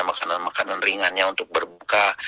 makanan makanan ringannya untuk berbuka